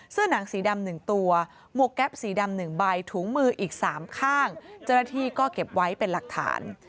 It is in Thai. หนังสีดำ๑ตัวหมวกแก๊ปสีดำ๑ใบถุงมืออีก๓ข้างเจ้าหน้าที่ก็เก็บไว้เป็นหลักฐาน